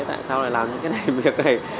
tại sao lại làm những cái này việc này